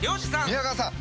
宮川さん